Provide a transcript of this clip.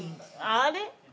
あれ？